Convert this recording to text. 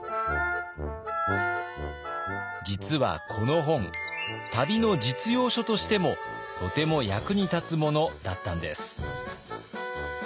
実はこの本旅の実用書としてもとても役に立つものだったんです。